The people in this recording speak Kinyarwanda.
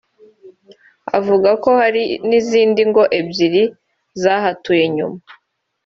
Avuga ko hari n’izindu ngo ebyiri zahatuye nyuma